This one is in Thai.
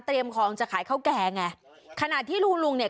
ของจะขายข้าวแกงไงขณะที่ลุงลุงเนี่ย